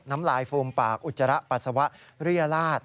น้ำลายฟูมปากอุจจาระปัสสาวะเรียราช